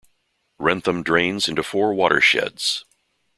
Wrentham drains into four watersheds.